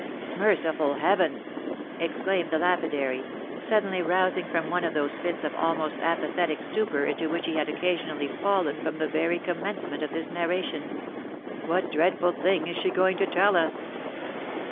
"Merciful Heaven!" exclaimed the lapidary, suddenly rousing from one of those fits of almost apathetic stupor into which he had occasionally fallen from the very commencement of this narration, "what dreadful thing is she going to tell us?"